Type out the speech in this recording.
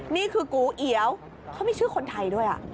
นี่คือกูเอียวเขามีชื่อคนไทยด้วย